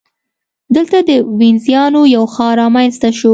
دلته د وینزیانو یو ښار رامنځته شو.